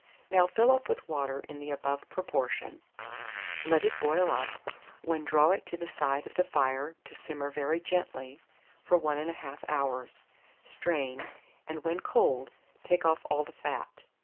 Now fill up with water in the above proportion; let it boil up, when draw it to the side of the fire to simmer very gently for 1 1/2 hour; strain, and when cold, take off all the fat.